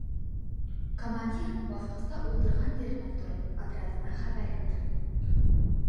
Командир, баҫҡыста ултырған еренән тороп, отрядына хәбәр итте: